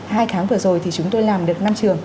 hai tháng vừa rồi thì chúng tôi làm được